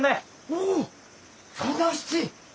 おっ定七！